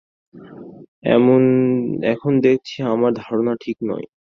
এখন দেখছি আমার ধারণা ঠিক নয়।